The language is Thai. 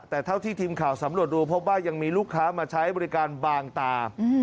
แต่เท่าที่ทีมข่าวสำรวจดูพบว่ายังมีลูกค้ามาใช้บริการบางตา